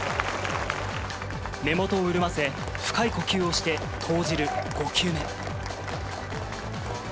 目元を潤ませ、深い呼吸をして投じる５球目。